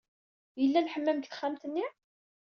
Yella lḥemmam deg texxamt-nni?